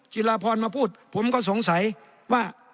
จิลาพรมาพูดผมก็สงสัยว่า